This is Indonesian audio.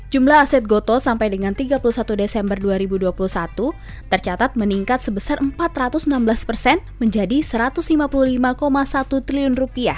jumlah aset goto sampai dengan tiga puluh satu desember dua ribu dua puluh satu tercatat meningkat sebesar empat ratus enam belas persen menjadi rp satu ratus lima puluh lima satu triliun